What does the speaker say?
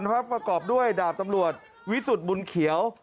ประกอบด้วยดาบตำรวจวิสุทธิ์บุญเขียว